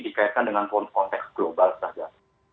dikaitkan dengan konteks global saja